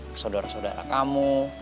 ke saudara saudara kamu